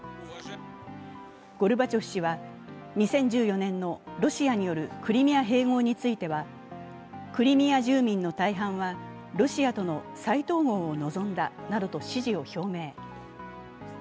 ゴルバチョフ氏は２０１４年のロシアによるクリミア併合についてはクリミア住民の大半はロシアとの再統合を望んだなどと支持を表明。